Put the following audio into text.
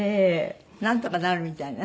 なんとかなるみたいな？